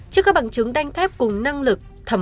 trước các bằng chứng đanh thép cùng năng lực